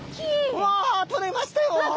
うわとれましたよ。わ！